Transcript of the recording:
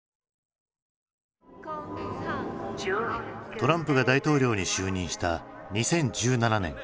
トランプが大統領に就任した２０１７年。